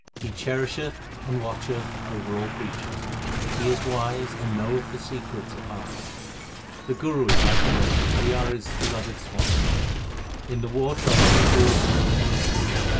He cherisheth and watcheth over all creatures ; He is wise and knoweth the secrets of hearts. The Guru is like a lake ; we are his beloved swans : In the water are many jewels and rubies.